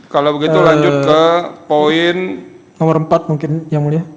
kalau begitu lanjut ke poin nomor empat mungkin yang mulia